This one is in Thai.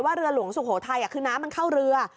เรือหลวงสุโขทัยคือน้ำมันเข้าเรือ